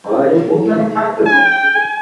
আমি এটা নিজেই চালু করে দিচ্ছি।